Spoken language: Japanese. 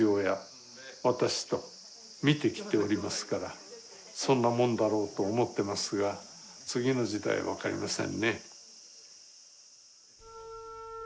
私と見てきておりますからそんなもんだろうと思ってますが次の時代は分かりませんね。